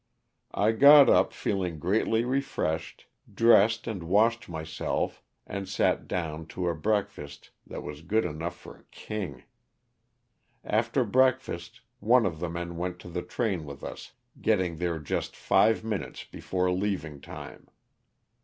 I got up feeling greatly refreshed, dressed and washed myself and sat down to a break fast that was good enough for a king. After break fast one of the men went to the train with us, getting there just five minutes before leaving time.